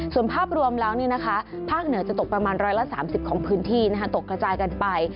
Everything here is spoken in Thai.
ส่วนภาพรวมแล้วภาคเหนือจะตกประมาณ๑๓๐ของพื้นที่ตกกระจายกันไป